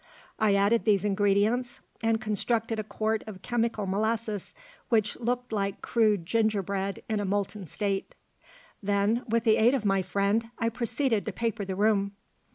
I added these ingredients, and constructed a quart of chemical molasses which looked like crude ginger bread in a molten state. Then, with the aid of my friend, I proceeded to paper the room.